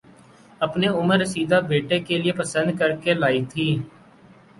اپنے عمر رسیدہ بیٹے کےلیے پسند کرکے لائی تھیں